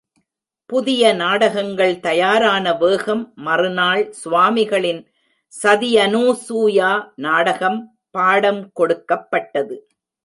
புதிய நாடகங்கள் தயாரான வேகம் மறுநாள் சுவாமிகளின் சதியனுசூயா நாடகம் பாடம் கொடுக்கப்பட்டது.